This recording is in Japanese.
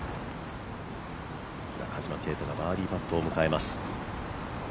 中島啓太がバーディーパットを迎えます。